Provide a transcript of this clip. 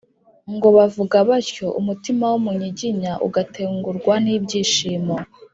ngo bavuga batyo umutima w'umunyiginya ugatengurwa n'ibyishimo.